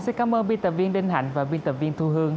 xin cảm ơn biên tập viên đinh hạnh và biên tập viên thu hương